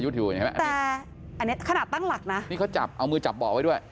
แต่อันนี้ขนาดตั้งหลักนะนี่เขาจับเอามือจับเบาะไว้ด้วย